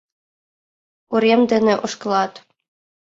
Урем дене ошкылат.